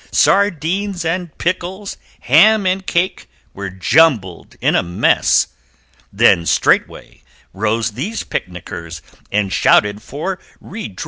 Sardines and pickles, ham and cake, Were jumbled in a mess, Then straightway rose these Picnickers And shouted for redress!